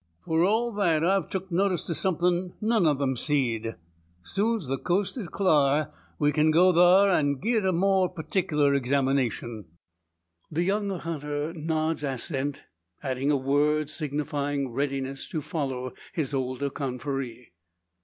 For all, I've tuk notice to somethin' none o' them seed. Soon's the coast is clar we kin go thar, an' gie it a more pertikler examinashun." The younger hunter nods assent, adding a word, signifying readiness to follow his older confrere.